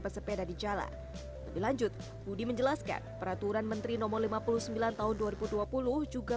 pesepeda di jalan lebih lanjut budi menjelaskan peraturan menteri nomor lima puluh sembilan tahun dua ribu dua puluh juga